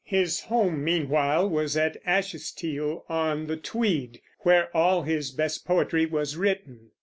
His home, meanwhile, was at Ashestiel on the Tweed, where all his best poetry was written.